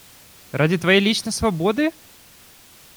Ради твоей личной свободы?